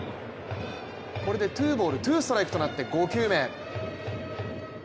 これでツーボール、ツーストライクとなって５球目。